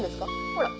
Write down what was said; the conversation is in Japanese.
ほら。